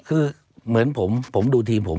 คือเหมือนผมดูทีมผม